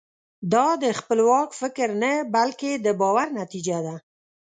دا د خپلواک فکر نه بلکې د باور نتیجه ده.